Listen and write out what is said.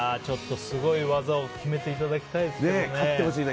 すごい技を決めていただきたいですけどね。